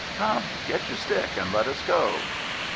Come; get your stick and let us go.